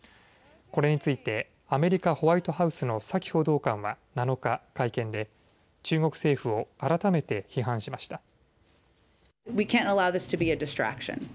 これについてアメリカホワイトハウスのサキ報道官は７日、会見で中国政府を改めて批判しました。